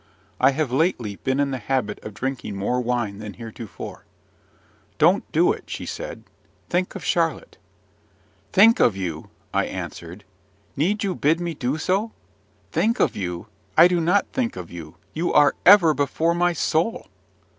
I have lately been in the habit of drinking more wine than heretofore. "Don't do it," she said. "Think of Charlotte!" "Think of you!" I answered; "need you bid me do so? Think of you I do not think of you: you are ever before my soul!